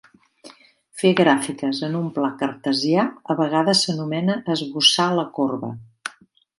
Fer gràfiques en un pla cartesià a vegades s'anomena "esbossar la corba".